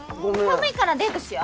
寒いからデートしよ。